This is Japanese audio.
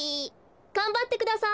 がんばってください！